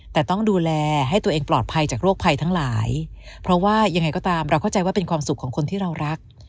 แต่ต้องดูแลให้ตัวเองปลอดภัยจากโรคภัยทั้งหลายเพราะว่ายังไงก็ตามเราเข้าใจว่าเป็นความสุขของคนที่เรารัก